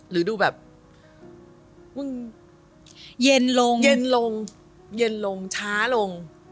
หรือดูแบบเย็นลงช้าลง